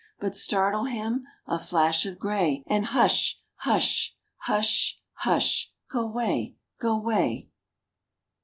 But startle him,—a flash of gray, And, Hush—Hush—Hush—Hush— Go 'way,—Go 'way—.